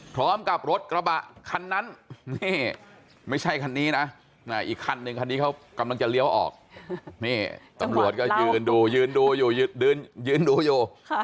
พร้อมกับรถกระบะคันนั้นนี่ไม่ใช่คันนี้นะอีกคันนึงคันนี้เขากำลังจะเลี้ยวออกนี่ตำรวจก็ยืนดูยืนดูอยู่ยืนดูอยู่